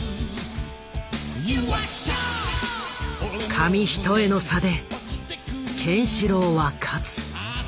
紙一重の差でケンシロウは勝つ。